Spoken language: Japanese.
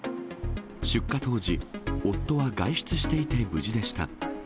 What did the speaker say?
出火当時、夫は外出していて無事でした。